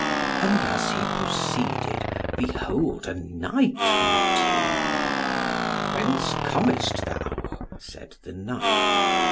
And as he proceeded, behold a knight met him. "Whence comest thou?" said the knight.